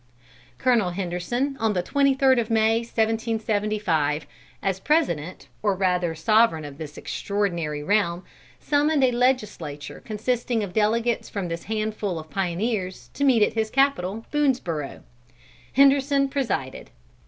Colonel Henderson, on the twenty third of May, 1775, as president or rather sovereign of this extraordinary realm, summoned a legislature consisting of delegates from this handful of pioneers, to meet at his capital, Boonesborough. Henderson presided.